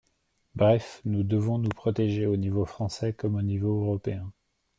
Bref, nous devons nous protéger, au niveau français comme au niveau européen.